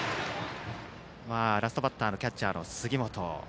ラストバッターのキャッチャーの杉本。